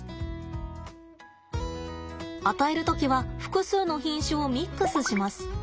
与える時は複数の品種をミックスします。